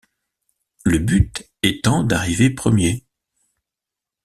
Le but étant d'arriver premier.